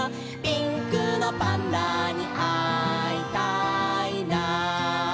「ピンクのパンダにあいたいな」